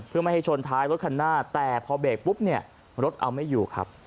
เพื่อไม่ให้ชนท้ายรถคันหน้าแต่พอเบรกปุ๊บเนี่ยรถเอาไม่อยู่ครับ